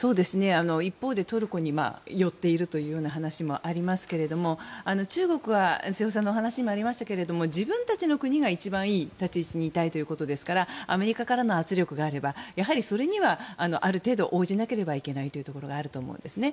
一方でトルコに寄っているというような話もありますが中国は瀬尾さんのお話にもありましたけども自分たちの国が一番いい立ち位置にいたいということですからアメリカからの圧力があればやはりそれにはある程度、応じなければいけないというところがあると思うんですね。